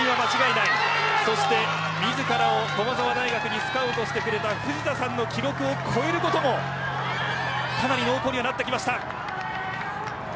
自らを駒澤大学にスカウトしてくれた藤田さんの記録を超えることも濃厚になってきました。